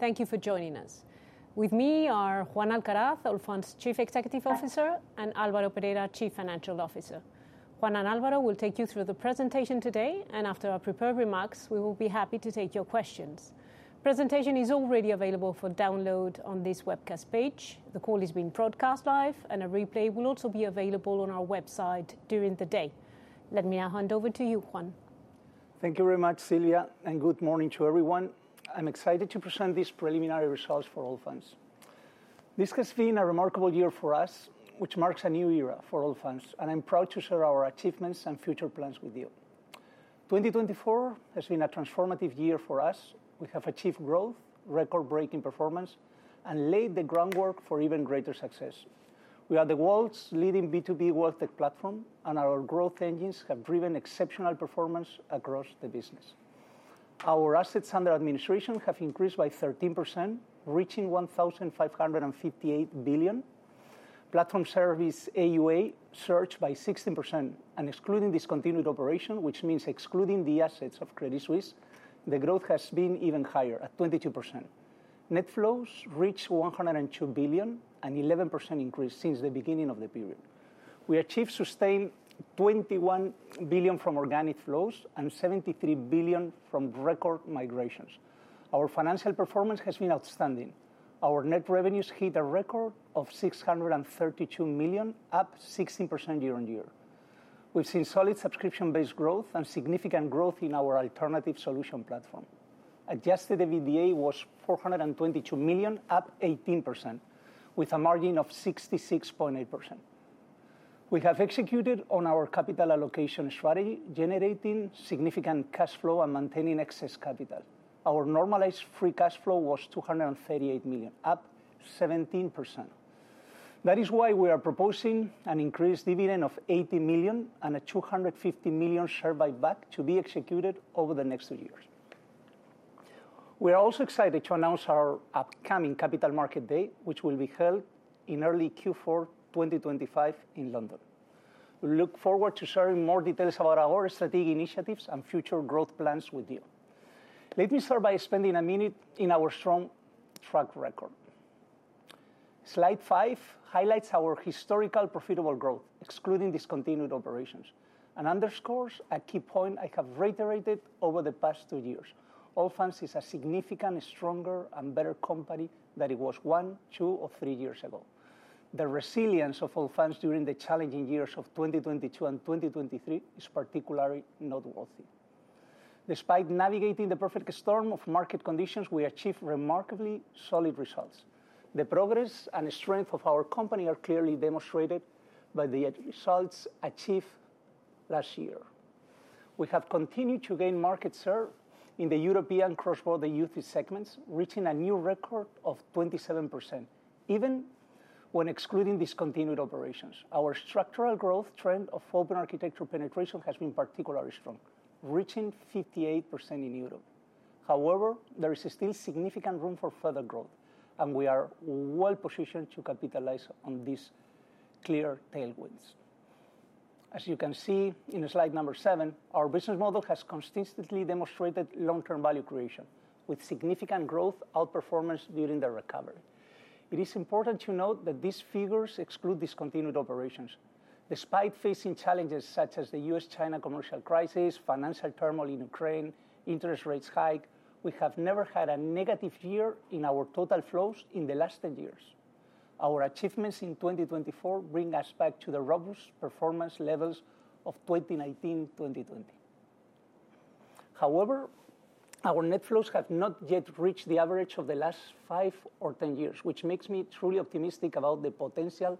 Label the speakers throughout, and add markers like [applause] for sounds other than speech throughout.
Speaker 1: Thank you for joining us. With me are Juan Alcaraz, Allfunds Chief Executive Officer, and Álvaro Perera, Chief Financial Officer. Juan and Álvaro will take you through the presentation today, and after our prepared remarks, we will be happy to take your questions. The presentation is already available for download on this webcast page. The call is being broadcast live, and a replay will also be available on our website during the day. Let me now hand over to you, Juan.
Speaker 2: Thank you very much, Silvia, and good morning to everyone. I'm excited to present these preliminary results for Allfunds. This has been a remarkable year for us, which marks a new era for Allfunds, and I'm proud to share our achievements and future plans with you. 2024 has been a transformative year for us. We have achieved growth, record-breaking performance, and laid the groundwork for even greater success. We are the world's leading B2B WealthTech platform, and our growth engines have driven exceptional performance across the business. Our assets under administration have increased by 13%, reaching 1,558 billion. Platform service AUA surged by 16%, and excluding discontinued operation, which means excluding the assets of Credit Suisse, the growth has been even higher at 22%. Net flows reached 102 billion, an 11% increase since the beginning of the period. We achieved sustained 21 billion from organic flows and 73 billion from record migrations. Our financial performance has been outstanding. Our net revenues hit a record of 632 million, up 16% year-on-year. We've seen solid subscription-based growth and significant growth in our alternative solution platform. Adjusted EBITDA was 422 million, up 18%, with a margin of 66.8%. We have executed on our capital allocation strategy, generating significant cash flow and maintaining excess capital. Our normalized free cash flow was 238 million, up 17%. That is why we are proposing an increased dividend of 80 million and a 250 million share buyback to be executed over the next two years. We are also excited to announce our upcoming Capital Markets Day, which will be held in early Q4 2025 in London. We look forward to sharing more details about our strategic initiatives and future growth plans with you. Let me start by spending a minute on our strong track record. Slide five highlights our historical profitable growth, excluding discontinued operations, and underscores a key point I have reiterated over the past two years. Allfunds is a significantly stronger and better company than it was one, two, or three years ago. The resilience of Allfunds during the challenging years of 2022 and 2023 is particularly noteworthy. Despite navigating the perfect storm of market conditions, we achieved remarkably solid results. The progress and strength of our company are clearly demonstrated by the results achieved last year. We have continued to gain market share in the European cross-border utility segments, reaching a new record of 27%, even when excluding discontinued operations. Our structural growth trend of open architecture penetration has been particularly strong, reaching 58% in Europe. However, there is still significant room for further growth, and we are well-positioned to capitalize on these clear tailwinds. As you can see in slide number seven, our business model has consistently demonstrated long-term value creation, with significant growth outperformance during the recovery. It is important to note that these figures exclude discontinued operations. Despite facing challenges such as the U.S.-China commercial crisis, financial turmoil in Ukraine, and interest rate hikes, we have never had a negative year in our total flows in the last 10 years. Our achievements in 2024 bring us back to the robust performance levels of 2019-2020. However, our net flows have not yet reached the average of the last five or 10 years, which makes me truly optimistic about the potential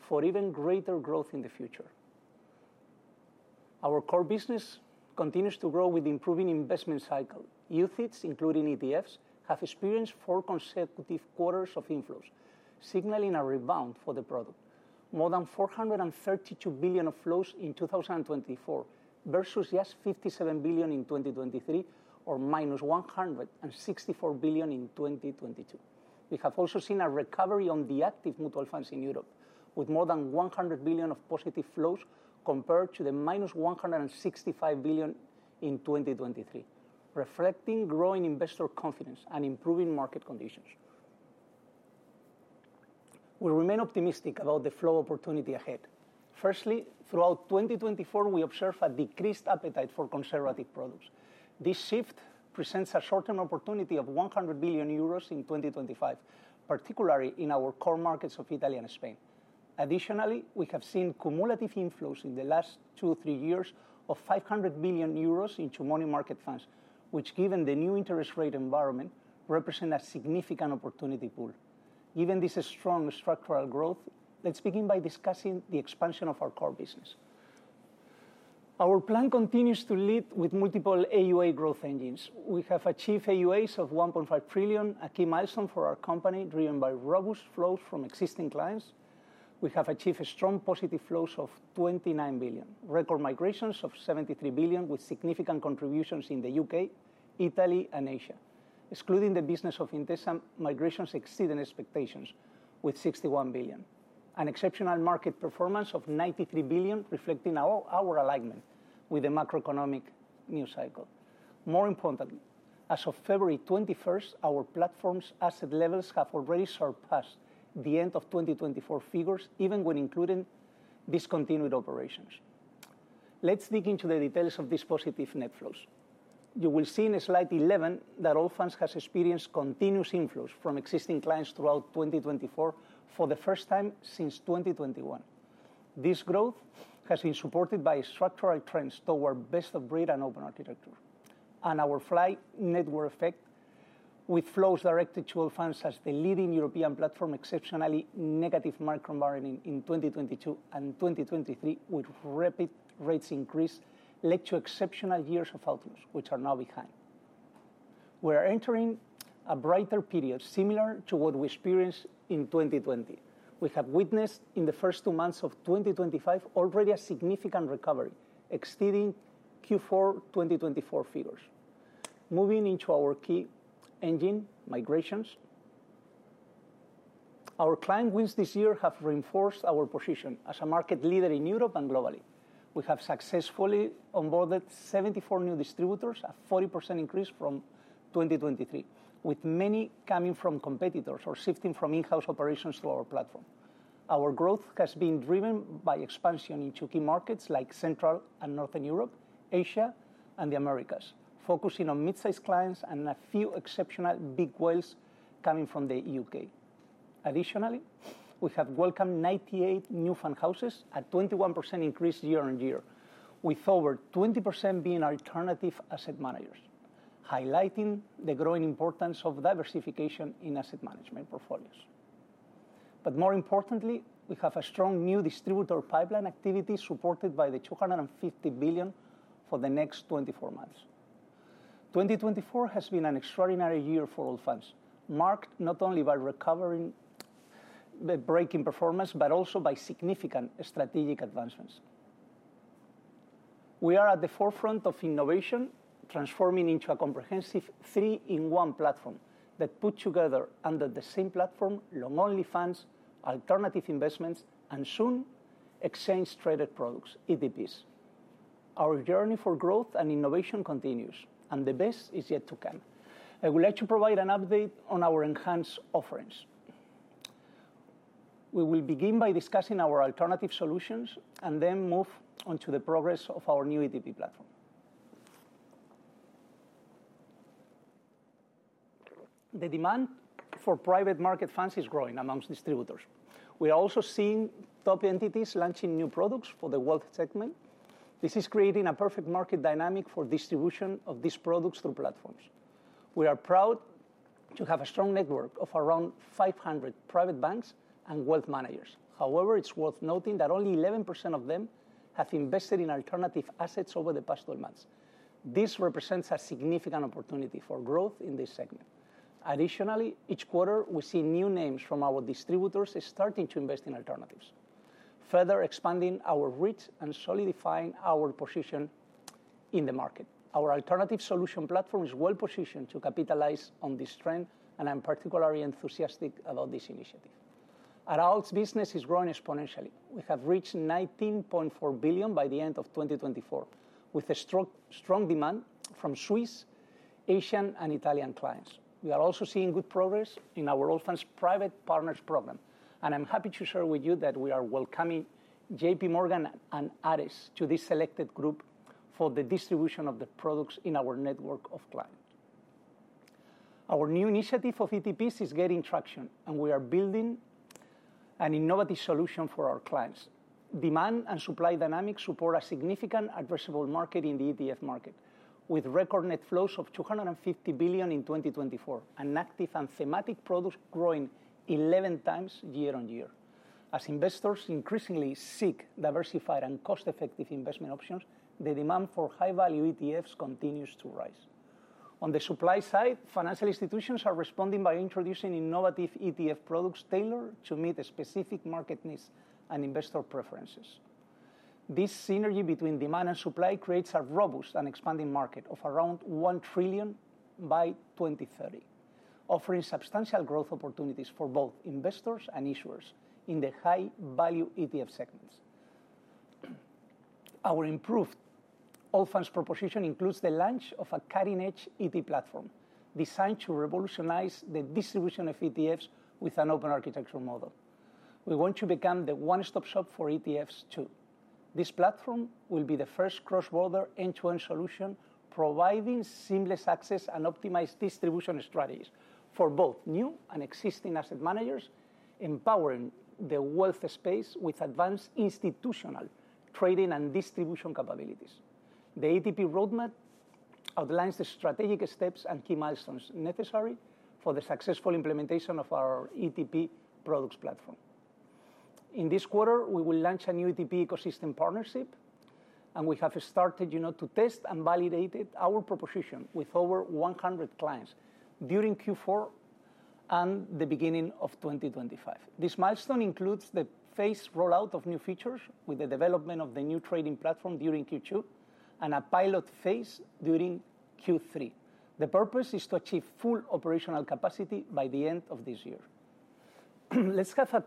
Speaker 2: for even greater growth in the future. Our core business continues to grow with improving investment cycles. UCITS, including ETFs, have experienced four consecutive quarters of inflows, signaling a rebound for the product. More than 432 billion of flows in 2024 versus just 57 billion in 2023, or 164 billion in 2022. We have also seen a recovery on the active mutual funds in Europe, with more than 100 billion of positive flows compared to the 165 billion in 2023, reflecting growing investor confidence and improving market conditions. We remain optimistic about the flow opportunity ahead. Firstly, throughout 2024, we observe a decreased appetite for conservative products. This shift presents a short-term opportunity of 100 billion euros in 2025, particularly in our core markets of Italy and Spain. Additionally, we have seen cumulative inflows in the last two to three years of 500 billion euros into money market funds, which, given the new interest rate environment, represent a significant opportunity pool. Given this strong structural growth, let's begin by discussing the expansion of our core business. Our plan continues to lead with multiple AUA growth engines. We have achieved AUAs of 1.5 trillion, a key milestone for our company, driven by robust flows from existing clients. We have achieved strong positive flows of 29 billion, record migrations of 73 billion, with significant contributions in the U.K., Italy, and Asia. Excluding the business of Intesa, migrations exceeded expectations, with 61 billion, an exceptional market performance of 93 billion, reflecting our alignment with the macroeconomic new cycle. More importantly, as of February 21st, our platform's asset levels have already surpassed the end-of-2024 figures, even when including discontinued operations. Let's dig into the details of these positive net flows. You will see in slide 11 that Allfunds has experienced continuous inflows from existing clients throughout 2024 for the first time since 2021. This growth has been supported by structural trends toward best-of-breed and open architecture, and our flywheel effect, with flows directed to Allfunds as the leading European platform. Exceptionally negative macro environment in 2022 and 2023, with rapid rates increase, led to exceptional years of outflows, which are now behind. We are entering a brighter period, similar to what we experienced in 2020. We have witnessed in the first two months of 2025 already a significant recovery, exceeding Q4 2024 figures. Moving into our key engine, migrations, our client wins this year have reinforced our position as a market leader in Europe and globally. We have successfully onboarded 74 new distributors, a 40% increase from 2023, with many coming from competitors or shifting from in-house operations to our platform. Our growth has been driven by expansion into key markets like Central and Northern Europe, Asia, and the Americas, focusing on mid-size clients and a few exceptional big whales coming from the U.K. Additionally, we have welcomed 98 new fund houses, a 21% increase year on year, with over 20% being alternative asset managers, highlighting the growing importance of diversification in asset management portfolios. But more importantly, we have a strong new distributor pipeline activity supported by the 250 billion for the next 24 months. 2024 has been an extraordinary year for Allfunds, marked not only by breaking performance but also by significant strategic advancements. We are at the forefront of innovation, transforming into a comprehensive three-in-one platform that puts together under the same platform long-only funds, alternative investments, and soon exchange-traded products, ETPs. Our journey for growth and innovation continues, and the best is yet to come. I would like to provide an update on our enhanced offerings. We will begin by discussing our alternative solutions and then move on to the progress of our new ETP platform. The demand for private market funds is growing among distributors. We are also seeing top entities launching new products for the wealth segment. This is creating a perfect market dynamic for distribution of these products through platforms. We are proud to have a strong network of around 500 private banks and wealth managers. However, it's worth noting that only 11% of them have invested in alternative assets over the past 12 months. This represents a significant opportunity for growth in this segment. Additionally, each quarter, we see new names from our distributors starting to invest in alternatives, further expanding our reach and solidifying our position in the market. Our alternative solution platform is well-positioned to capitalize on this trend, and I'm particularly enthusiastic about this initiative. At Allfunds, business is growing exponentially. We have reached 19.4 billion by the end of 2024, with strong demand from the Swiss, Asian, and Italian clients. We are also seeing good progress in our Allfunds Private Partners program, and I'm happy to share with you that we are welcoming JPMorgan and Ares to this selected group for the distribution of the products in our network of clients. Our new initiative of ETPs is gaining traction, and we are building an innovative solution for our clients. Demand and supply dynamics support a significant addressable market in the ETF market, with record net flows of 250 billion in 2024, an active and thematic product growing 11 times year on year. As investors increasingly seek diversified and cost-effective investment options, the demand for high-value ETFs continues to rise. On the supply side, financial institutions are responding by introducing innovative ETF products tailored to meet specific market needs and investor preferences. This synergy between demand and supply creates a robust and expanding market of around 1 trillion by 2030, offering substantial growth opportunities for both investors and issuers in the high-value ETF segments. Our improved Allfunds proposition includes the launch of a cutting-edge ETF platform designed to revolutionize the distribution of ETFs with an open architecture model. We want to become the one-stop shop for ETFs too. This platform will be the first cross-border end-to-end solution, providing seamless access and optimized distribution strategies for both new and existing asset managers, empowering the wealth space with advanced institutional trading and distribution capabilities. The ETP roadmap outlines the strategic steps and key milestones necessary for the successful implementation of our ETP products platform. In this quarter, we will launch a new ETP ecosystem partnership, and we have started to test and validate our proposition with over 100 clients during Q4 and the beginning of 2025. This milestone includes the phased rollout of new features with the development of the new trading platform during Q2 and a pilot phase during Q3. The purpose is to achieve full operational capacity by the end of this year. Let's have a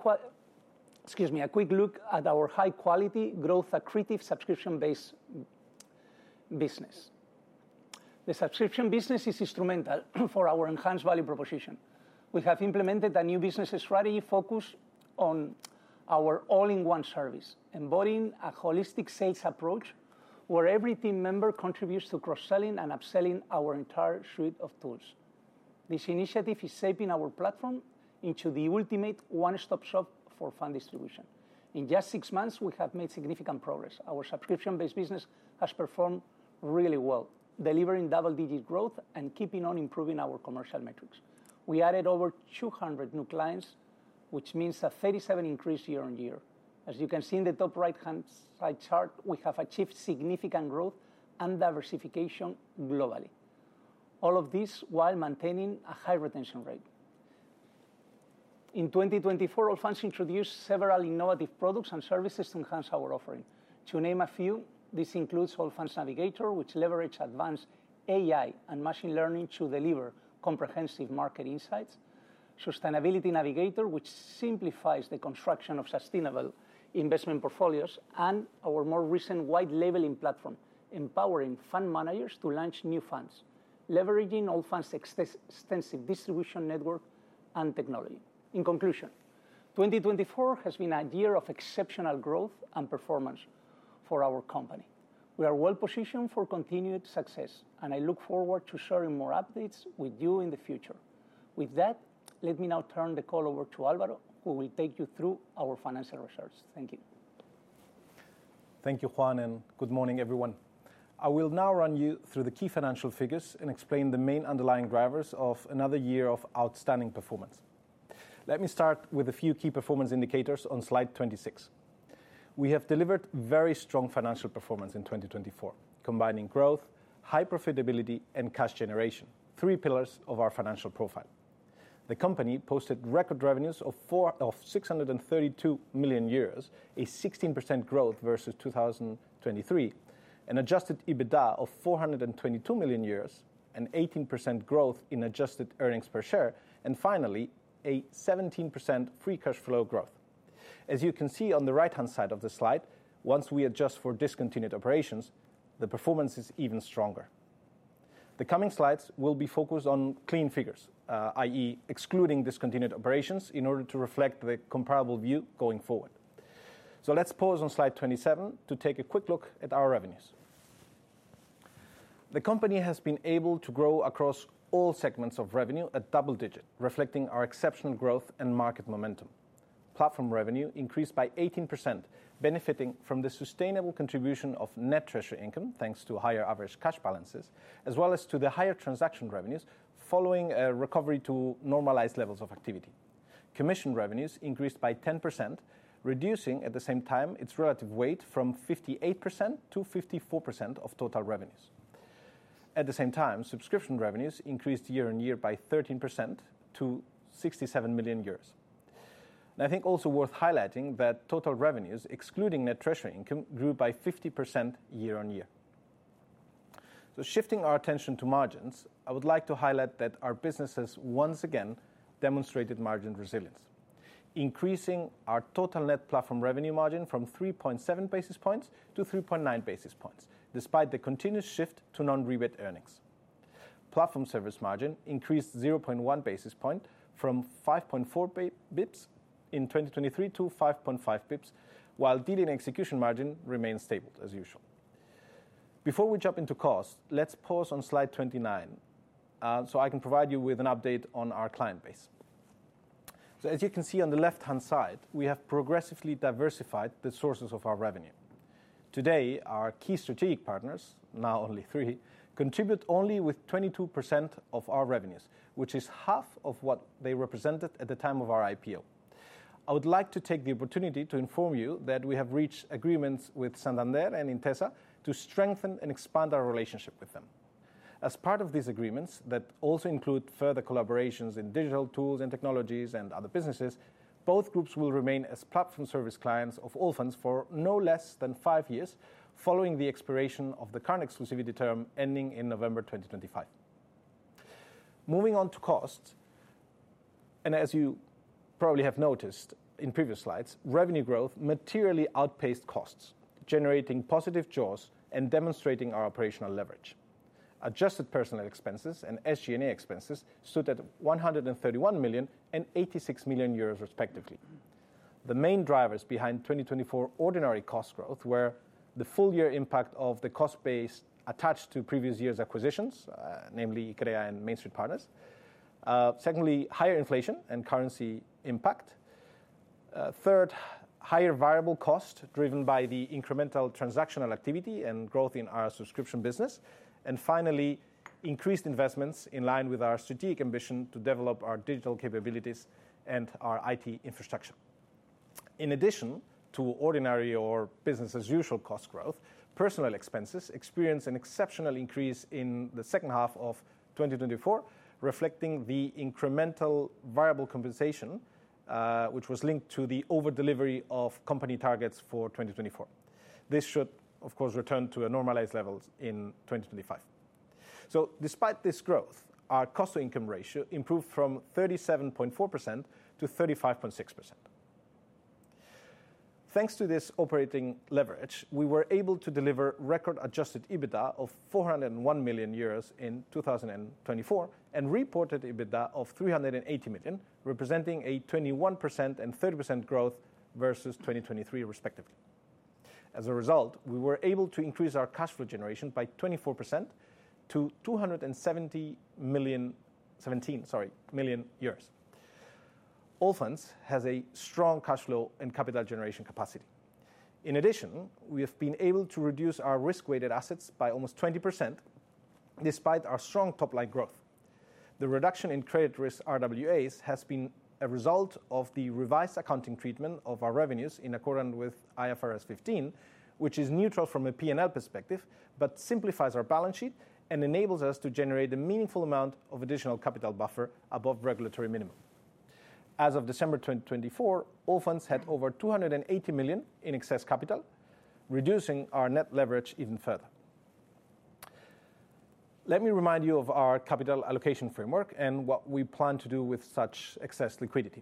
Speaker 2: quick look at our high-quality growth-accretive subscription-based business. The subscription business is instrumental for our enhanced value proposition. We have implemented a new business strategy focused on our all-in-one service, embodying a holistic sales approach where every team member contributes to cross-selling and upselling our entire suite of tools. This initiative is shaping our platform into the ultimate one-stop shop for fund distribution. In just six months, we have made significant progress. Our subscription-based business has performed really well, delivering double-digit growth and keeping on improving our commercial metrics. We added over 200 new clients, which means a 37% increase year-on-year. As you can see in the top right-hand side chart, we have achieved significant growth and diversification globally, all of this while maintaining a high retention rate. In 2024, Allfunds introduced several innovative products and services to enhance our offering. To name a few, this includes Allfunds Navigator, which leverages advanced AI and machine learning to deliver comprehensive market insights, Sustainability Navigator, which simplifies the construction of sustainable investment portfolios, and our more recent white labeling platform, empowering fund managers to launch new funds, leveraging Allfunds' extensive distribution network and technology. In conclusion, 2024 has been a year of exceptional growth and performance for our company. We are well-positioned for continued success, and I look forward to sharing more updates with you in the future. With that, let me now turn the call over to Álvaro, who will take you through our financial results. Thank you.
Speaker 3: Thank you, Juan, and good morning, everyone. I will now run you through the key financial figures and explain the main underlying drivers of another year of outstanding performance. Let me start with a few key performance indicators on slide 26. We have delivered very strong financial performance in 2024, combining growth, high profitability, and cash generation, three pillars of our financial profile. The company posted record revenues of 632 million euros, a 16% growth versus 2023, an Adjusted EBITDA of 422 million, an 18% growth in adjusted earnings per share, and finally, a 17% Free Cash Flow growth. As you can see on the right-hand side of the slide, once we adjust for discontinued operations, the performance is even stronger. The coming slides will be focused on clean figures, i.e., excluding discontinued operations in order to reflect the comparable view going forward. So let's pause on slide 27 to take a quick look at our revenues. The company has been able to grow across all segments of revenue at double digit, reflecting our exceptional growth and market momentum. Platform revenue increased by 18%, benefiting from the sustainable contribution of net treasury income, thanks to higher average cash balances, as well as to the higher transaction revenues following a recovery to normalized levels of activity. Commission revenues increased by 10%, reducing at the same time its relative weight from 58%- 54% of total revenues. At the same time, subscription revenues increased year on year by 13% to 67 million euros. And I think it's also worth highlighting that total revenues, excluding net treasury income, grew by 50% year-on-year. So shifting our attention to margins, I would like to highlight that our business has once again demonstrated margin resilience, increasing our total net platform revenue margin from 3.7 basis points to 3.9 basis points, despite the continuous shift to non-rebate earnings. Platform service margin increased 0.1 basis points from 5.4 basis points in 2023 to 5.5 basis points, while dealing execution margin remained stable as usual. Before we jump into costs, let's pause on slide 29 so I can provide you with an update on our client base. So as you can see on the left-hand side, we have progressively diversified the sources of our revenue. Today, our key strategic partners, now only three, contribute only with 22% of our revenues, which is half of what they represented at the time of our IPO. I would like to take the opportunity to inform you that we have reached agreements with Santander and Intesa to strengthen and expand our relationship with them. As part of these agreements that also include further collaborations in digital tools and technologies and other businesses, both groups will remain as platform service clients of Allfunds for no less than five years, following the expiration of the current exclusivity term ending in November 2025. Moving on to costs, and as you probably have noticed in previous slides, revenue growth materially outpaced costs, generating positive jaws and demonstrating our operational leverage. Adjusted personnel expenses and SG&A expenses stood at 131 million and 86 million euros, respectively. The main drivers behind 2024 ordinary cost growth were the full-year impact of the cost base attached to previous year's acquisitions, namely Iccrea and MainStreet Partners. Secondly, higher inflation and currency impact. Third, higher variable cost driven by the incremental transactional activity and growth in our subscription business. Finally, increased investments in line with our strategic ambition to develop our digital capabilities and our IT infrastructure. In addition to ordinary or business-as-usual cost growth, personnel expenses experienced an exceptional increase in the second half of 2024, reflecting the incremental variable compensation, which was linked to the overdelivery of company targets for 2024. This should, of course, return to normalized levels in 2025. Despite this growth, our cost-to-income ratio improved from 37.4%-35.6%. Thanks to this operating leverage, we were able to deliver record adjusted EBITDA of 401 million euros in 2024 and reported EBITDA of 380 million, representing a 21% and 30% growth versus 2023, respectively. As a result, we were able to increase our cash flow generation by 24% to 270 million. Allfunds has a strong cash flow and capital generation capacity. In addition, we have been able to reduce our risk-weighted assets by almost 20% despite our strong top-line growth. The reduction in credit risk RWAs has been a result of the revised accounting treatment of our revenues in accordance with IFRS 15, which is neutral from a P&L perspective but simplifies our balance sheet and enables us to generate a meaningful amount of additional capital buffer above regulatory minimum. As of December 2024, Allfunds had over 280 million in excess capital, reducing our net leverage even further. Let me remind you of our capital allocation framework and what we plan to do with such excess liquidity.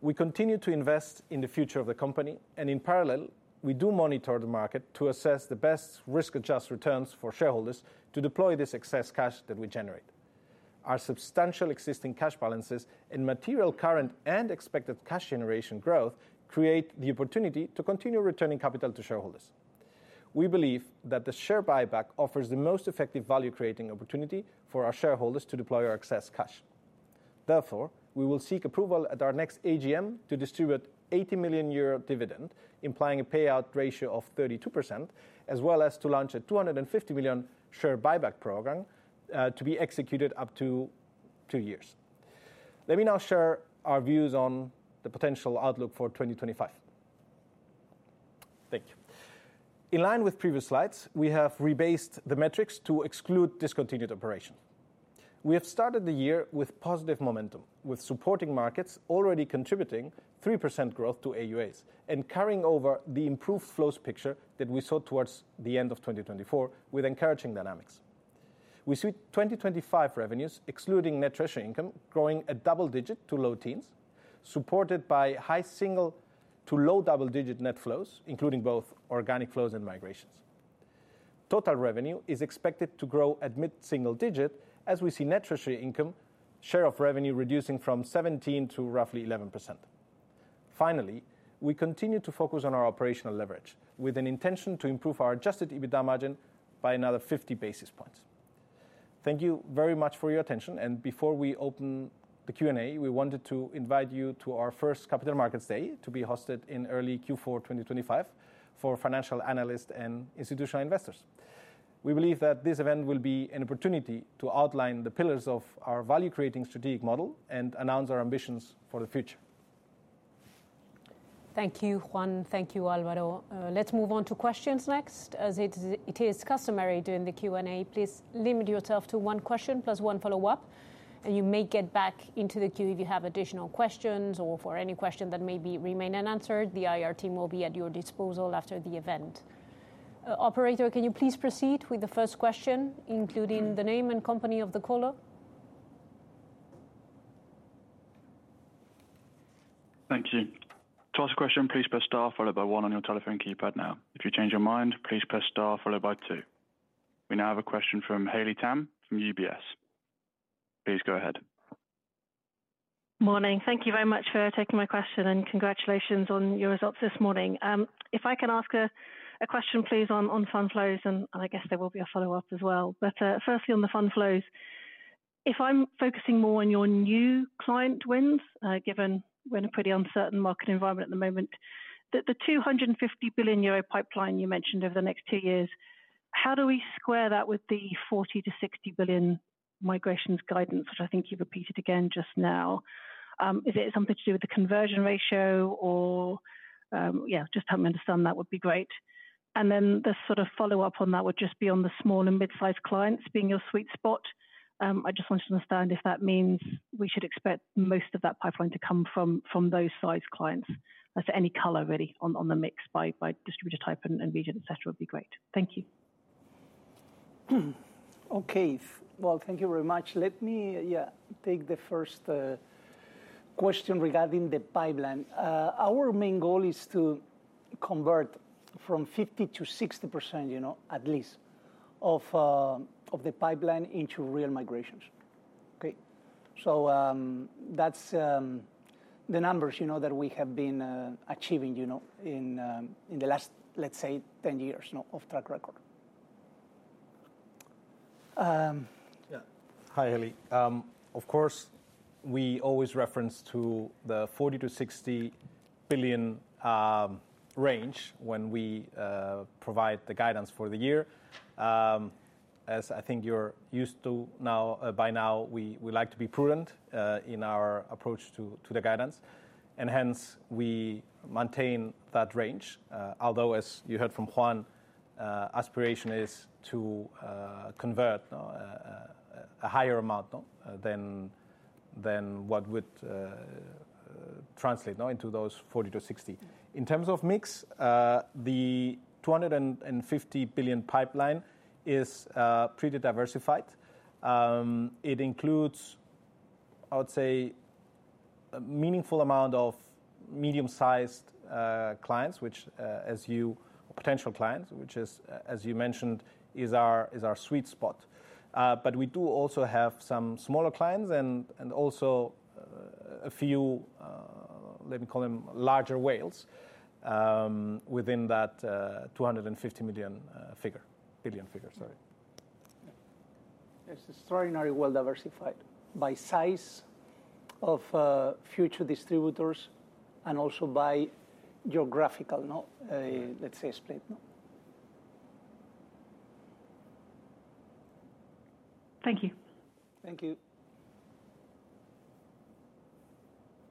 Speaker 3: We continue to invest in the future of the company, and in parallel, we do monitor the market to assess the best risk-adjusted returns for shareholders to deploy this excess cash that we generate. Our substantial existing cash balances and material current and expected cash generation growth create the opportunity to continue returning capital to shareholders. We believe that the share buyback offers the most effective value-creating opportunity for our shareholders to deploy our excess cash. Therefore, we will seek approval at our next AGM to distribute 80 million euro dividend, implying a payout ratio of 32%, as well as to launch a 250 million share buyback program to be executed up to two years. Let me now share our views on the potential outlook for 2025. Thank you. In line with previous slides, we have rebased the metrics to exclude discontinued operations. We have started the year with positive momentum, with supporting markets already contributing 3% growth to AUAs and carrying over the improved flows picture that we saw towards the end of 2024 with encouraging dynamics. We see 2025 revenues, excluding net treasury income, growing at double-digit to low-teens, supported by high-single to low double-digit net flows, including both organic flows and migrations. Total revenue is expected to grow at mid-single digit as we see net treasury income share of revenue reducing from 17% to roughly 11%. Finally, we continue to focus on our operational leverage with an intention to improve our adjusted EBITDA margin by another 50 basis points. Thank you very much for your attention, and before we open the Q&A, we wanted to invite you to our first Capital Markets Day to be hosted in early Q4 2025 for financial analysts and institutional investors. We believe that this event will be an opportunity to outline the pillars of our value creating strategic model and announce our ambitions for the future.
Speaker 1: Thank you, Juan. Thank you, Álvaro. Let's move on to questions next. As it is customary during the Q&A, please limit yourself to one question plus one follow-up, and you may get back into the queue if you have additional questions or for any question that may remain unanswered. The IR team will be at your disposal after the event. Operator, can you please proceed with the first question, including the name and company of the caller?
Speaker 4: Thank you. To ask a question, please press star followed by one on your telephone keypad now. If you change your mind, please press star followed by two. We now have a question from Haley Tam from UBS. Please go ahead.
Speaker 5: Morning. Thank you very much for taking my question and congratulations on your results this morning. If I can ask a question, please, on fund flows, and I guess there will be a follow-up as well. Firstly, on the fund flows, if I'm focusing more on your new client wins, given we're in a pretty uncertain market environment at the moment, the 250 billion euro pipeline you mentioned over the next two years, how do we square that with the 40 billion-60 billion migrations guidance, which I think you've repeated again just now? Is it something to do with the conversion ratio or, yeah, just help me understand that would be great. And then the sort of follow-up on that would just be on the small and mid-sized clients being your sweet spot. I just want to understand if that means we should expect most of that pipeline to come from those sized clients. That's any color really on the mix by distributor type and region, etc., would be great. Thank you.
Speaker 2: Okay. Well, thank you very much. Let me, yeah, take the first question regarding the pipeline. Our main goal is to convert from 50%-60%, you know, at least of the pipeline into real migrations. Okay. So that's the numbers that we have been achieving in the last, let's say, 10 years of track record. Yeah.
Speaker 3: Hi, Haley. Of course, we always reference to the 40 billion-60 billion range when we provide the guidance for the year. As I think you're used to now, by now, we like to be prudent in our approach to the guidance, and hence we maintain that range. Although, as you heard from Juan, aspiration is to convert a higher amount than what would translate into those 40 billion-60 billion. In terms of mix, the 250 billion pipeline is pretty diversified. It includes, I would say, a meaningful amount of medium-sized clients, which, as you mentioned, is our sweet spot. But we do also have some smaller clients and also a few, let me call them larger whales within that 250 billion figure, sorry.
Speaker 2: It's extraordinarily well diversified by size of our distributors and also by geographical, let's say, split.
Speaker 5: Thank you.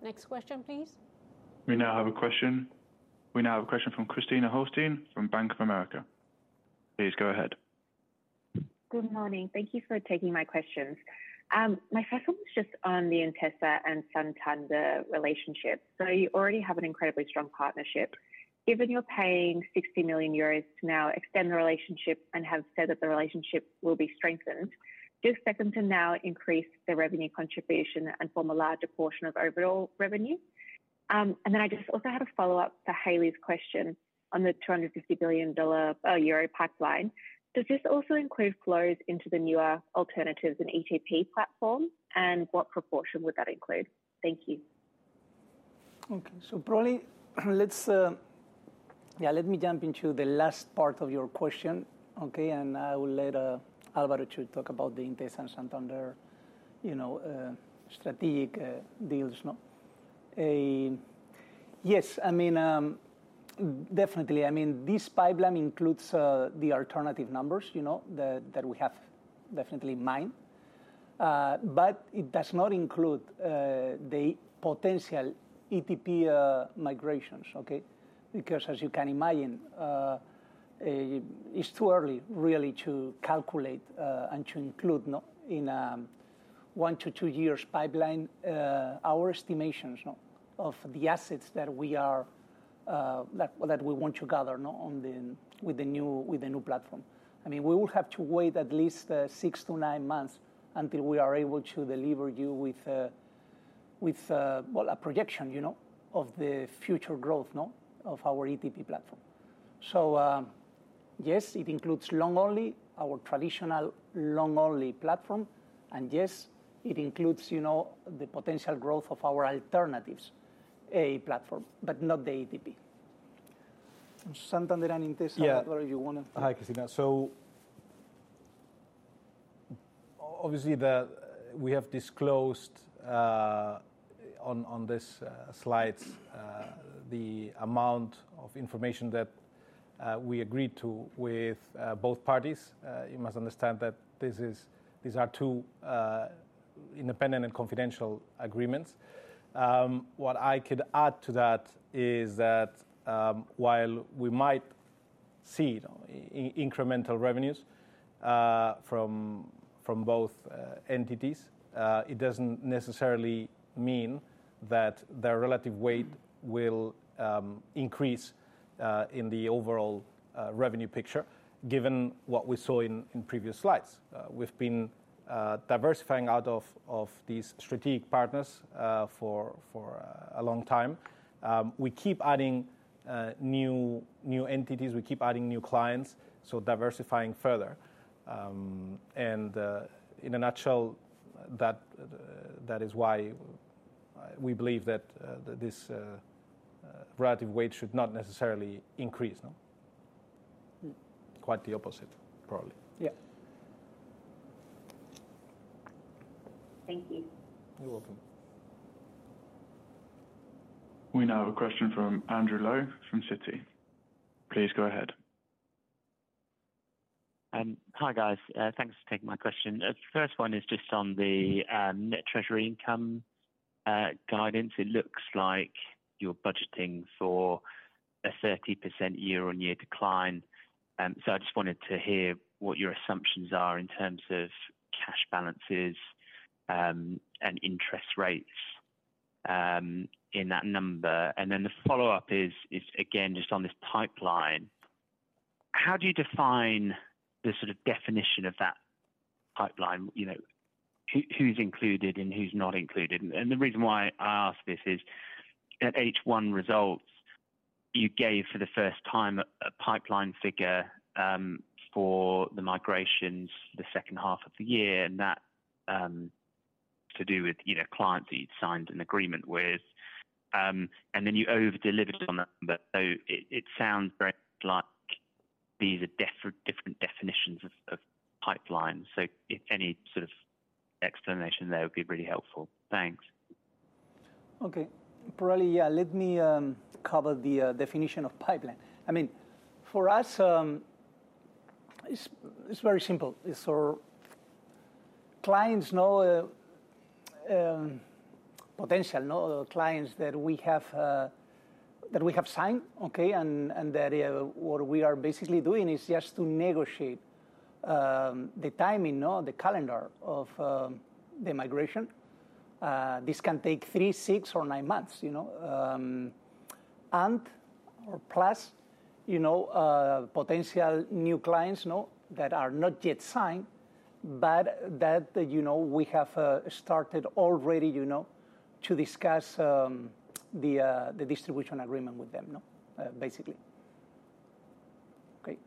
Speaker 1: Next question, please.
Speaker 4: We now have a question from Christiane Holstein from Bank of America. Please go ahead.
Speaker 6: Good morning. Thank you for taking my questions. My first one was just on the Intesa and Santander relationship. So you already have an incredibly strong partnership. Given you're paying 60 million euros to now extend the relationship and have said that the relationship will be strengthened, does that now increase the revenue contribution and form a larger portion of overall revenue? And then I just also had a follow-up to Haley's question on the 250 billion euro pipeline. Does this also include flows into the newer alternatives and ETP platform, and what proportion would that include? Thank you.
Speaker 2: Okay. So probably let's, yeah, let me jump into the last part of your question, okay? And I will let Álvaro talk about the Intesa and Santander strategic deals. Yes, I mean, definitely. I mean, this pipeline includes the alternative numbers that we have definitely in mind, but it does not include the potential ETP migrations, okay? Because as you can imagine, it's too early really to calculate and to include in a one to two years pipeline our estimations of the assets that we want to gather with the new platform. I mean, we will have to wait at least six to nine months until we are able to deliver you with a projection of the future growth of our ETP platform. So yes, it includes long-only our traditional long-only platform, and yes, it includes the potential growth of our alternatives platform, but not the ETP. Santander and Intesa, Álvaro, you want to?
Speaker 3: Hi, Christiane. So obviously we have disclosed on this slide the amount of information that we agreed to with both parties. You must understand that these are two independent and confidential agreements. What I could add to that is that while we might see incremental revenues from both entities, it doesn't necessarily mean that their relative weight will increase in the overall revenue picture given what we saw in previous slides. We've been diversifying out of these strategic partners for a long time. We keep adding new entities, we keep adding new clients, so diversifying further. And in a nutshell, that is why we believe that this relative weight should not necessarily increase, quite the opposite probably.
Speaker 2: Yeah.
Speaker 6: Thank you.
Speaker 3: You're welcome.
Speaker 4: We now have a question from Andrew Lowe from Citi. Please go ahead.
Speaker 7: Hi, guys. Thanks for taking my question. The first one is just on the net treasury income guidance. It looks like you're budgeting for a 30% year-on-year decline. I just wanted to hear what your assumptions are in terms of cash balances and interest rates in that number. And then the follow-up is, again, just on this pipeline, how do you define the sort of definition of that pipeline? Who's included and who's not included? And the reason why I ask this is at H1 results, you gave for the first time a pipeline figure for the migrations the second half of the year and that had to do with clients that you'd signed an agreement with. And then you over-delivered on that number. So it sounds very much like these are different definitions of pipelines. So if any sort of explanation there would be really helpful. Thanks.
Speaker 2: Okay. Probably, yeah, let me cover the definition of pipeline. I mean, for us, it's very simple. So clients, you know, potential clients that we have signed, okay? That's what we are basically doing is just to negotiate the timing, the calendar of the migration. This can take three, six, or nine months. And or plus potential new clients that are not yet signed, but that we have started already to discuss the distribution agreement with them, basically. Okay.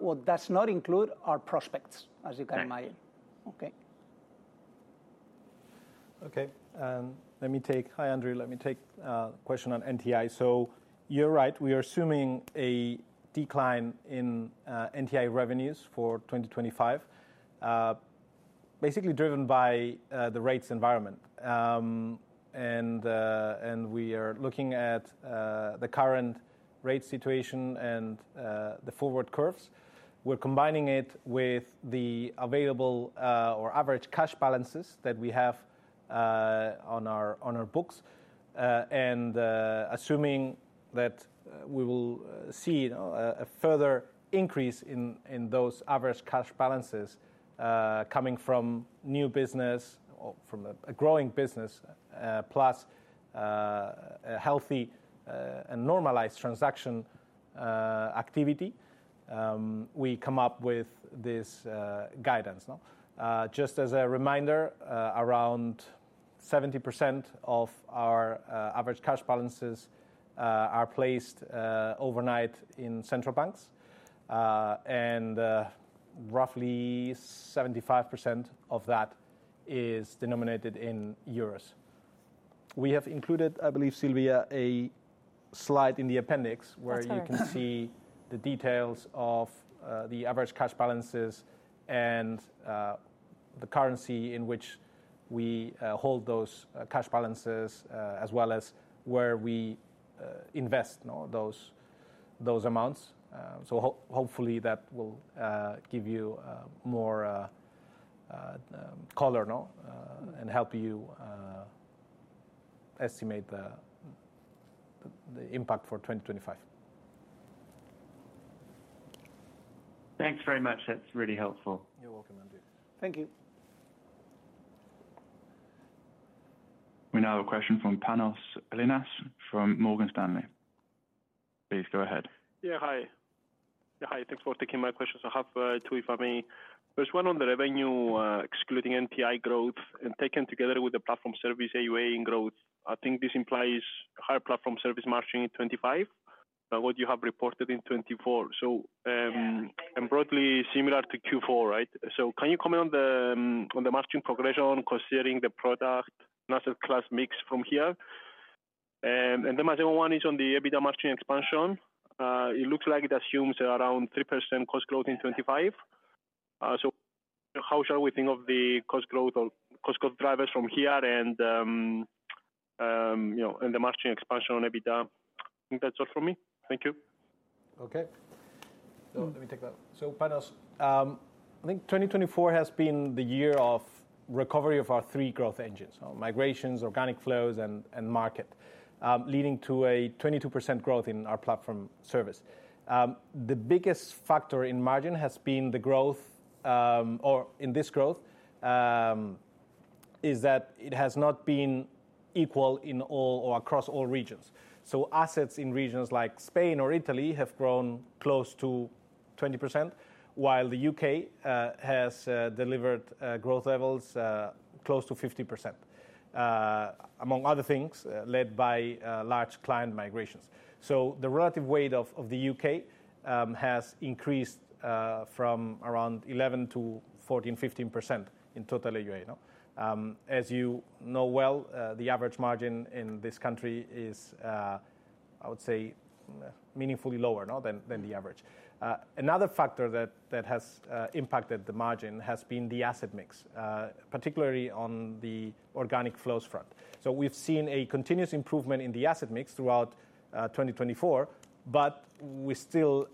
Speaker 2: What does not include are prospects, as you can imagine. Okay.
Speaker 3: Let me take, hi, Andrew. Let me take a question on NTI. You're right. We are assuming a decline in NTI revenues for 2025, basically driven by the rates environment. We are looking at the current rate situation and the forward curves. We're combining it with the available or average cash balances that we have on our books. Assuming that we will see a further increase in those average cash balances coming from new business or from a growing business, plus a healthy and normalized transaction activity, we come up with this guidance. Just as a reminder, around 70% of our average cash balances are placed overnight in central banks, and roughly 75% of that is denominated in euros. We have included, I believe, Silvia, a slide in the appendix where you can see the details of the average cash balances and the currency in which we hold those cash balances, as well as where we invest those amounts. So hopefully that will give you more color and help you estimate the impact for 2025.
Speaker 7: Thanks very much. That's really helpful.
Speaker 3: You're welcome, Andrew.
Speaker 2: Thank you.
Speaker 4: We now have a question from Panos Ellinas from Morgan Stanley. Please go ahead. Yeah. Hi. Yeah. Hi.
Speaker 8: Thanks for taking my question. So I have two, if I may. First, one on the revenue excluding NTI growth and taken together with the platform service AUA in growth. I think this implies higher platform service margin in 2025 than what you have reported in 2024. So broadly similar to Q4, right? So can you comment on the margin progression considering the product net asset class mix from here? And then my second one is on the EBITDA margin expansion. It looks like it assumes around 3% cost growth in 2025. So how shall we think of the cost growth or cost growth drivers from here and the margin expansion on EBITDA? I think that's all from me. Thank you.
Speaker 3: Okay. So let me take that. So Panos, I think 2024 has been the year of recovery of our three growth engines: migrations, organic flows, and market, leading to a 22% growth in our platform service. The biggest factor in margin has been the growth, or in this growth, is that it has not been equal in all or across all regions. So assets in regions like Spain or Italy have grown close to 20%, while the U.K. has delivered growth levels close to 50%, among other things led by large client migrations. So the relative weight of the U.K. has increased from around 11% to 14-15% in total AUA. As you know well, the average margin in this country is, I would say, meaningfully lower than the average. Another factor that has impacted the margin has been the asset mix, particularly on the organic flows front. So we've seen a continuous improvement in the asset mix throughout 2024, but we still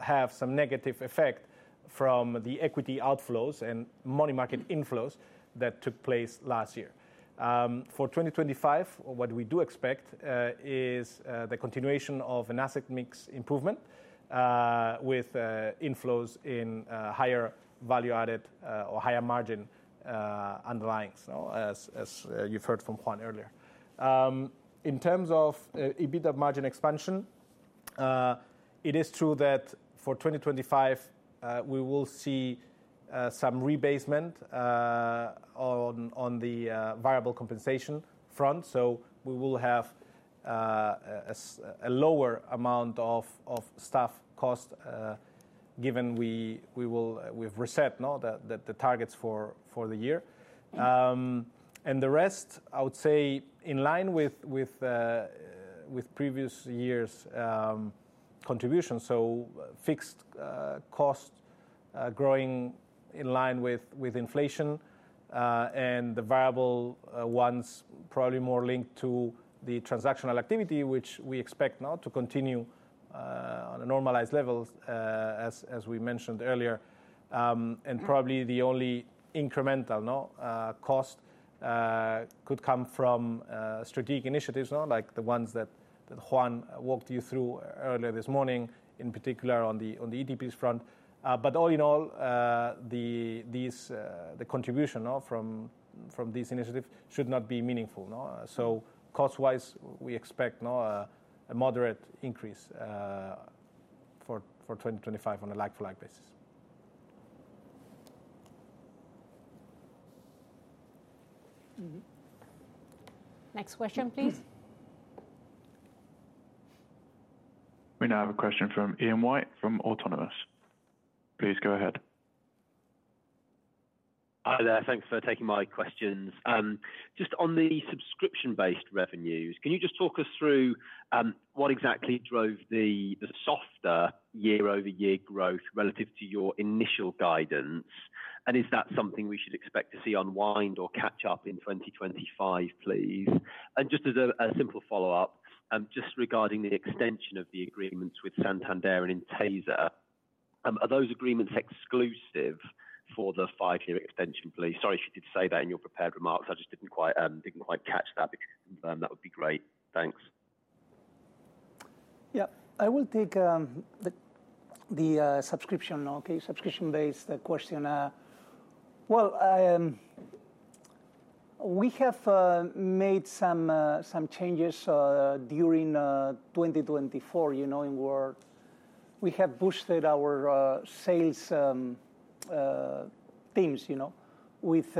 Speaker 3: have some negative effect from the equity outflows and money market inflows that took place last year. For 2025, what we do expect is the continuation of an asset mix improvement with inflows in higher value-added or higher margin underlyings, as you've heard from Juan earlier. In terms of EBITDA margin expansion, it is true that for 2025, we will see some rebasement on the variable compensation front. So we will have a lower amount of staff cost given we've reset the targets for the year. And the rest, I would say, in line with previous years' contributions. So fixed cost growing in line with inflation, and the variable ones probably more linked to the transactional activity, which we expect to continue on a normalized level, as we mentioned earlier. Probably the only incremental cost could come from strategic initiatives like the ones that Juan walked you through earlier this morning, in particular on the ETPs front. All in all, the contribution from these initiatives should not be meaningful. Cost-wise, we expect a moderate increase for 2025 on a like-for-like basis.
Speaker 1: Next question, please.
Speaker 4: We now have a question from Ian White from Autonomous. Please go ahead.
Speaker 9: Hi there. Thanks for taking my questions. Just on the subscription-based revenues, can you just talk us through what exactly drove the softer year-over-year growth relative to your initial guidance? And is that something we should expect to see unwind or catch up in 2025, please? And just as a simple follow-up, just regarding the extension of the agreements with Santander and Intesa, are those agreements exclusive for the five year extension, please? Sorry if you did say that in your prepared remarks. I just didn't quite catch that. If you can confirm, that would be great. Thanks.
Speaker 2: Yeah. I will take the subscription, okay? Subscription-based question. Well, we have made some changes during 2024. We have boosted our sales teams with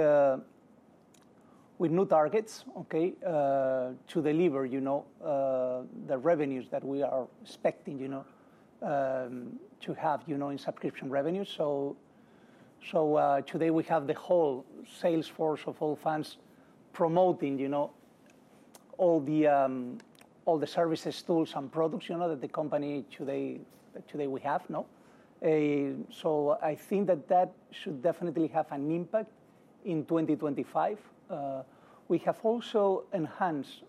Speaker 2: new targets, okay, to deliver the revenues that we are expecting to have in subscription revenue. So today, we have the whole sales force of Allfunds promoting all the services, tools, and products that the company today we have. So I think that that should definitely have an impact in 2025. We have also enhanced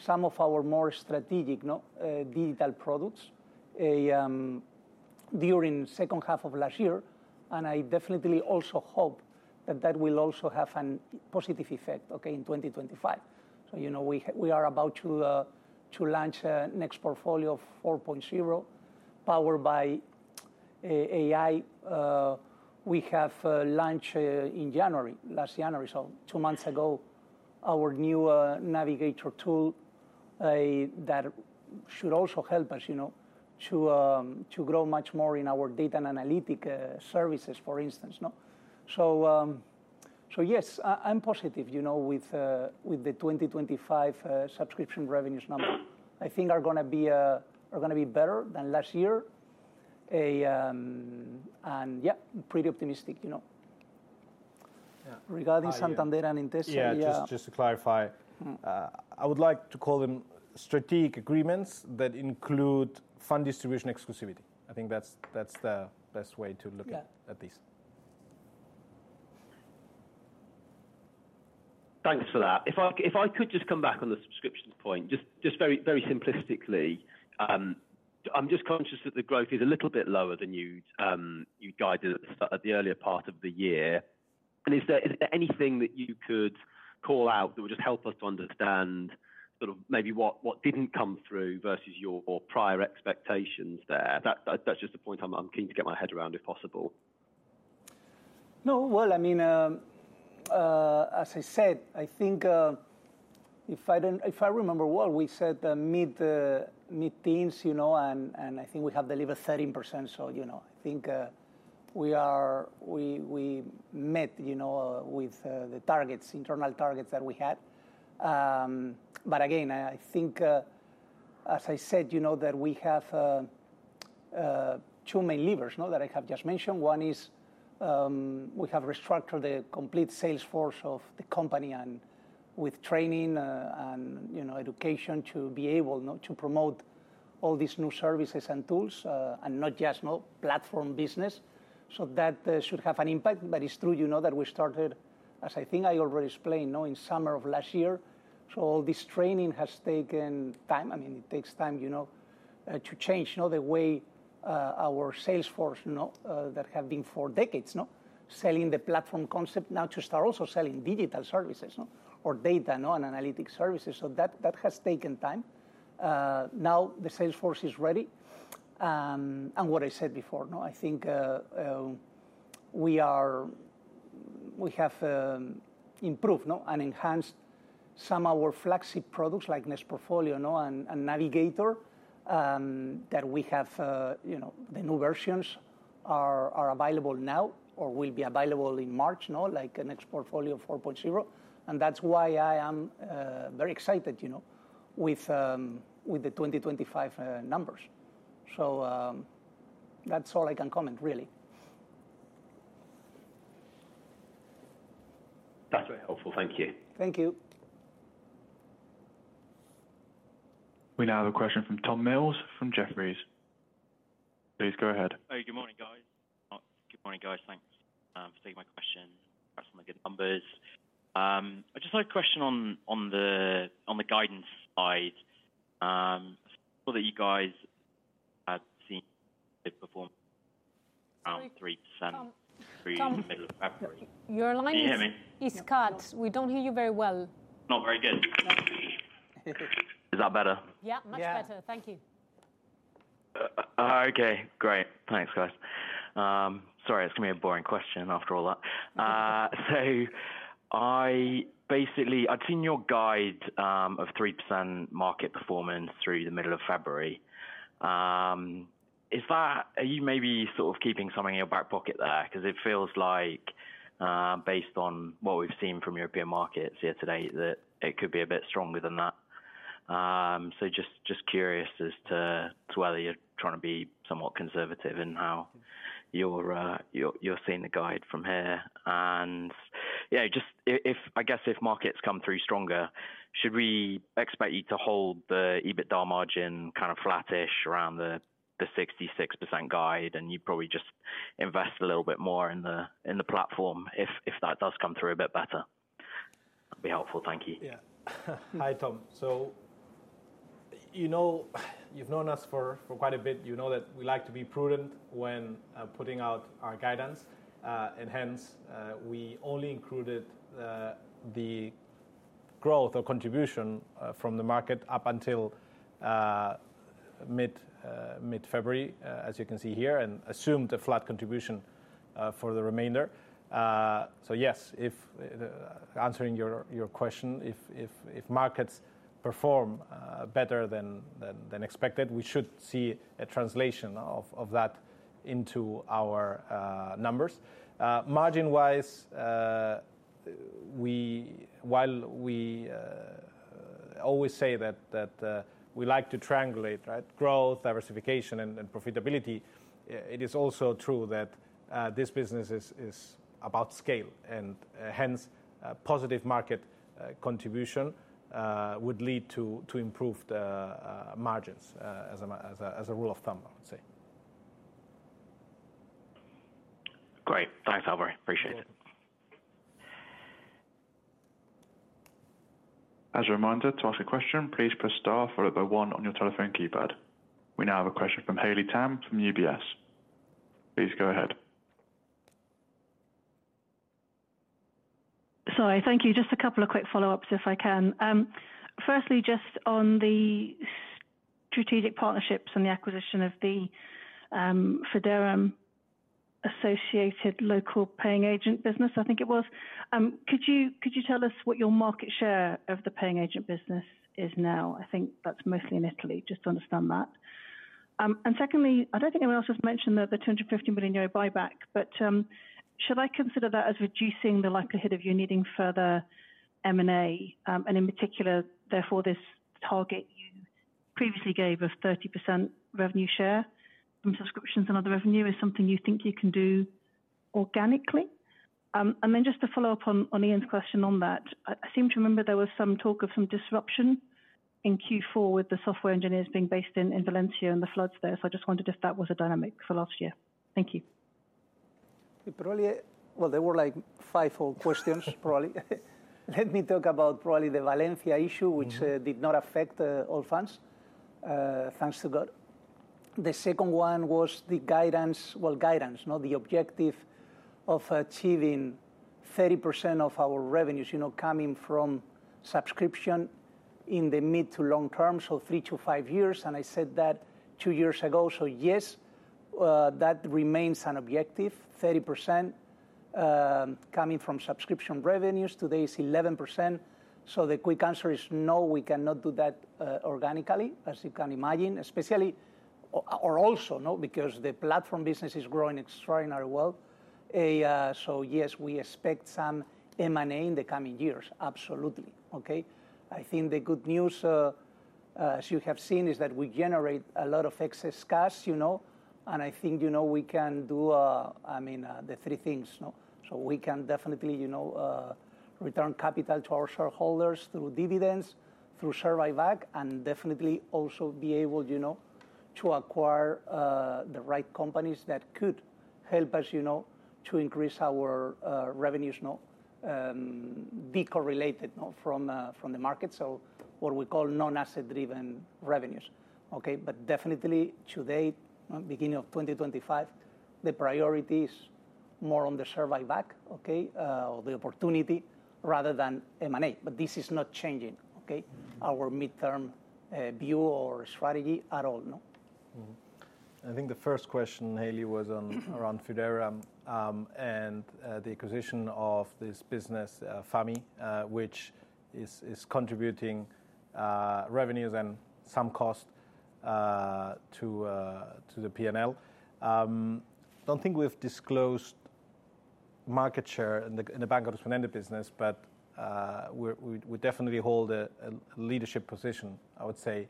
Speaker 2: some of our more strategic digital products during the second half of last year. And I definitely also hope that that will also have a positive effect, okay, in 2025. So we are about to launch the NextPortfolio 4.0 powered by AI. We have launched in January, last January. So two months ago, our new Navigator tool that should also help us to grow much more in our data and analytic services, for instance. So yes, I'm positive with the 2025 subscription revenues number. I think are going to be better than last year. And yeah, pretty optimistic. Regarding Santander and Intesa. Yeah.
Speaker 3: Just to clarify, I would like to call them strategic agreements that include fund distribution exclusivity. I think that's the best way to look at these.
Speaker 9: Thanks for that. If I could just come back on the subscriptions point, just very simplistically, I'm just conscious that the growth is a little bit lower than you guided at the earlier part of the year. Is there anything that you could call out that would just help us to understand sort of maybe what didn't come through versus your prior expectations there? That's just the point I'm keen to get my head around, if possible.
Speaker 2: No. I mean, as I said, I think if I remember well, we said mid-teens, and I think we have delivered 13%. I think we met with the targets, internal targets that we had. Again, I think, as I said, that we have two main levers that I have just mentioned. One is we have restructured the complete sales force of the company with training and education to be able to promote all these new services and tools and not just platform business. That should have an impact. It's true that we started, as I think I already explained, in summer of last year. So all this training has taken time. I mean, it takes time to change the way our sales force that have been for decades selling the platform concept now to start also selling digital services or data and analytic services. So that has taken time. Now the sales force is ready. And what I said before, I think we have improved and enhanced some of our flagship products like NextPortfolio and Navigator that we have the new versions are available now or will be available in March, like NextPortfolio 4.0. And that's why I am very excited with the 2025 numbers. So that's all I can comment, really.
Speaker 9: That's very helpful. Thank you.
Speaker 2: Thank you.
Speaker 4: We now have a question from Tom Mills from Jefferies. Please go ahead.
Speaker 10: Hi. Good morning, guys. Good morning, guys. Thanks for taking my question. That's some of the good numbers. I just had a question on the guidance side. I saw that you guys had seen it perform around 3% through [audio distortion] the middle of February. Can you hear me?
Speaker 1: Your line is cut. We don't hear you very well.
Speaker 10: Not very good. Is that better?
Speaker 1: Yeah. Much better. Thank you.
Speaker 10: Okay. Great. Thanks, guys. Sorry, it's going to be a boring question after all that. So I'd seen your guide of 3% market performance through the middle of February. Are you maybe sort of keeping something in your back pocket there? Because it feels like, based on what we've seen from the European markets here today, that it could be a bit stronger than that. So just curious as to whether you're trying to be somewhat conservative in how you're seeing the guide from here. Yeah, I guess if markets come through stronger, should we expect you to hold the EBITDA margin kind of flattish around the 66% guide, and you probably just invest a little bit more in the platform if that does come through a bit better? That'd be helpful. Thank you.
Speaker 3: Yeah. Hi, Tom. So you've known us for quite a bit. You know that we like to be prudent when putting out our guidance, and hence, we only included the growth or contribution from the market up until mid-February, as you can see here, and assumed a flat contribution for the remainder, so yes, answering your question, if markets perform better than expected, we should see a translation of that into our numbers. Margin-wise, while we always say that we like to triangulate growth, diversification, and profitability, it is also true that this business is about scale. And hence, positive market contribution would lead to improved margins as a rule of thumb, I would say.
Speaker 10: Great. Thanks, Álvaro. Appreciate it.
Speaker 4: As a reminder, to ask a question, please press star followed by one on your telephone keypad. We now have a question from Haley Tam from UBS. Please go ahead.
Speaker 5: Sorry. Thank you. Just a couple of quick follow-ups, if I can. Firstly, just on the strategic partnerships and the acquisition of the Fideuram associated local paying agent business, I think it was. Could you tell us what your market share of the paying agent business is now? I think that's mostly in Italy. Just to understand that. And secondly, I don't think anyone else has mentioned the 250 million euro buyback, but should I consider that as reducing the likelihood of you needing further M&A? And in particular, therefore, this target you previously gave of 30% revenue share from subscriptions and other revenue is something you think you can do organically? And then just to follow up on Ian's question on that, I seem to remember there was some talk of some disruption in Q4 with the software engineers being based in Valencia and the floods there. So I just wondered if that was a dynamic for last year. Thank you.
Speaker 2: Well, there were like five or so questions, probably. Let me talk about probably the Valencia issue, which did not affect Allfunds, thanks to God. The second one was the guidance, well, guidance, not the objective of achieving 30% of our revenues coming from subscription in the mid to long term, so three to five years. And I said that two years ago. So yes, that remains an objective, 30% coming from subscription revenues. Today is 11%. So the quick answer is no, we cannot do that organically, as you can imagine, especially or also because the platform business is growing extraordinarily well. So yes, we expect some M&A in the coming years. Absolutely. Okay. I think the good news, as you have seen, is that we generate a lot of excess cash. And I think we can do, I mean, the three things. So we can definitely return capital to our shareholders through dividends, through share buyback, and definitely also be able to acquire the right companies that could help us to increase our revenues de-correlated from the market, so what we call non-asset-driven revenues. Okay. But definitely today, beginning of 2025, the priority is more on the share buyback, okay, or the opportunity rather than M&A. But this is not changing, okay, our midterm view or strategy at all.
Speaker 3: I think the first question, Haley, was around Fideuram and the acquisition of this business, FAMI, which is contributing revenues and some cost to the P&L. I don't think we've disclosed market share in the Banca Fideuram business, but we definitely hold a leadership position, I would say,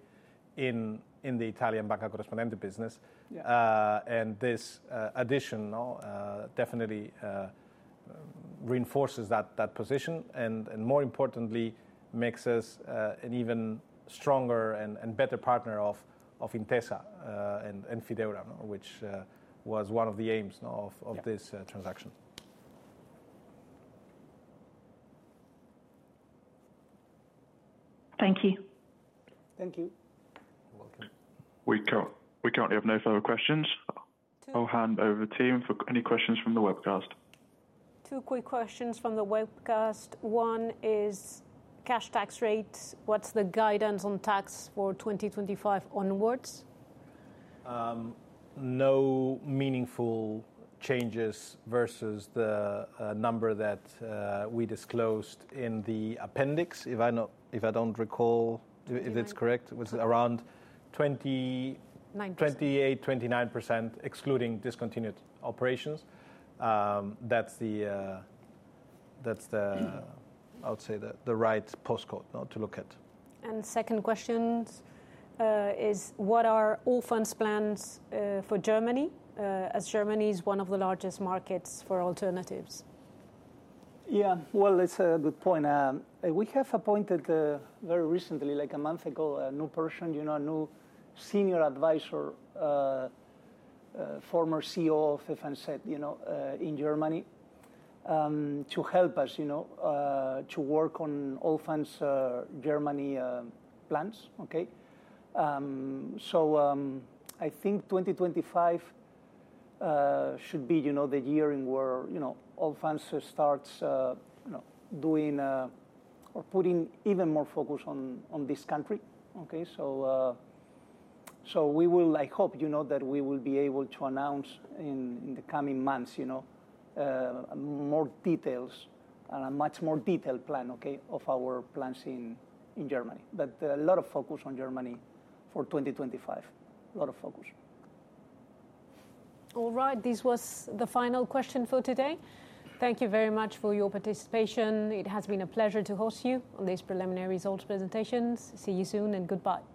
Speaker 3: in the Italian Banca Corrispondente business. And this addition definitely reinforces that position and, more importantly, makes us an even stronger and better partner of Intesa and Fideuram, which was one of the aims of this transaction.
Speaker 5: Thank you.
Speaker 2: Thank you.
Speaker 3: You're welcome.
Speaker 4: We currently have no further questions. I'll hand over to you for any questions from the webcast.
Speaker 1: Two quick questions from the webcast. One is cash tax rate. What's the guidance on tax for 2025 onwards?
Speaker 3: No meaningful changes versus the number that we disclosed in the appendix, if I don't recall if it's correct.It was around 28%-29% excluding discontinued operations. That's the, I would say, the right postcode to look at.
Speaker 1: And second question is, what are Allfunds' plans for Germany as Germany is one of the largest markets for alternatives?
Speaker 2: Yeah. Well, it's a good point. We have appointed very recently, like a month ago, a new person, a new senior advisor, former CEO of FNZ in Germany to help us to work on Allfunds Germany plans. Okay. So I think 2025 should be the year where Allfunds start doing or putting even more focus on this country. Okay. So we will, I hope that we will be able to announce in the coming months more details and a much more detailed plan of our plans in Germany. But a lot of focus on Germany for 2025. A lot of focus.
Speaker 1: All right. This was the final question for today. Thank you very much for your participation. It has been a pleasure to host you on these preliminary results presentations. See you soon and goodbye.